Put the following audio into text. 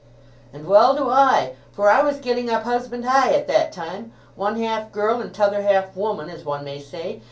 "And well do I—for I was getting up husband high at that time—one half girl, and t'other half woman, as one may say.